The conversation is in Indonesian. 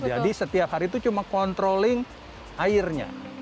jadi setiap hari itu cuma controlling airnya